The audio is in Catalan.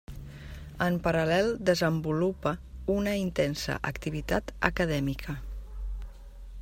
En paral·lel desenvolupa una intensa activitat acadèmica.